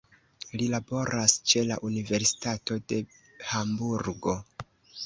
Li laboras ĉe la Universitato de Hamburgo.